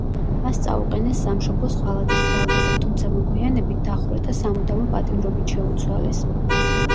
მას წაუყენეს სამშობლოს ღალატის ბრალდება, თუმცა მოგვიანებით დახვრეტა სამუდამო პატიმრობით შეუცვალეს.